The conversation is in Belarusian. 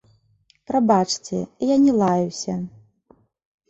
Прабачце, я не лаюся.